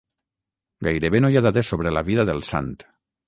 Gairebé no hi ha dades sobre la vida del sant.